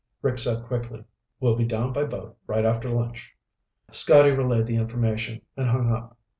Rick said quickly, "We'll be down by boat right after lunch." Scotty relayed the information and hung up.